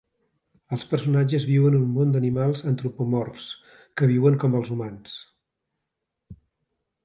Els personatges viuen en un món d'animals antropomorfs que viuen com els humans.